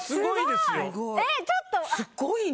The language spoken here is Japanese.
すごいね。